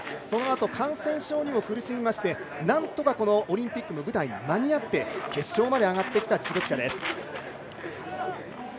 そのあと感染症にも苦しみましてなんとかオリンピックの舞台に間に合って決勝まで上がってきた実力者です。